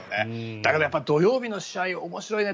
だけど土曜日の試合は面白いね。